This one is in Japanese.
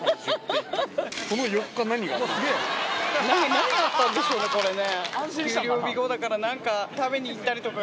何があったんでしょうね。